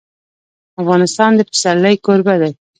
افغانستان د پسرلی کوربه دی.